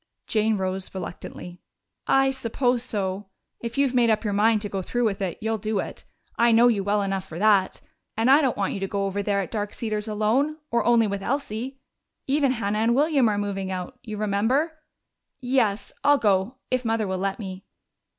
Jane rose reluctantly. "I suppose so. If you've made up your mind to go through with it, you'll do it. I know you well enough for that. And I don't want you over there at Dark Cedars alone or only with Elsie. Even Hannah and William are moving out, you remember.... Yes, I'll go. If Mother will let me."